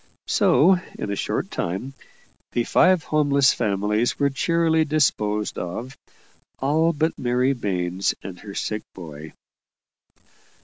So, in a short time, the five homeless families were cheerily disposed of all but Mary Baines and her sick boy.